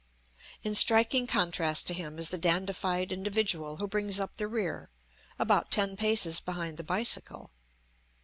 In striking contrast to him is the dandified individual who brings up the rear, about ten paces behind the bicycle.